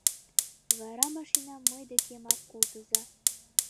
Вара машинам мый декемак колтыза.